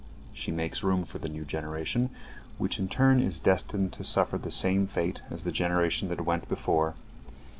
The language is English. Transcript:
She makes room for the new generation, which in turn is destined to suffer the same fate as the generation that went before.